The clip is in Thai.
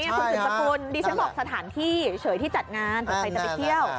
คุณสิ่งเป็นจักรรปุ่นดิฉันบอกสถานที่เฉยที่จัดงานไปเติบที่เที่ยว